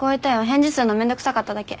返事すんのめんどくさかっただけ。